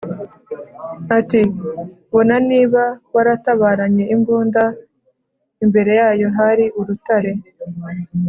Ati: Bona niba waratabaranye imbunda, imbere yayo hali urutare!